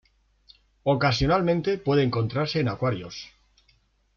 Ocasionalmente puede encontrase en acuarios.